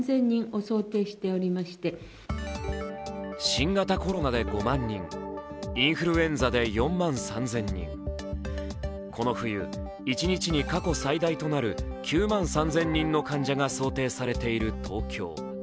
新型コロナで５万人、インフルエンザで４万３０００人、この冬、一日に過去最大となる９万３０００人の患者が想定されている東京。